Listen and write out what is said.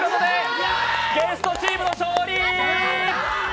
ゲストチームの勝利！